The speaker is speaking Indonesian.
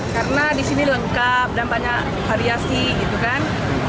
karena disini lengkap dan banyak variasi gitu kan